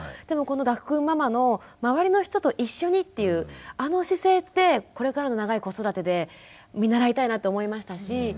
でもこの岳くんママの周りの人と一緒にっていうあの姿勢ってこれからの長い子育てで見習いたいなって思いましたし。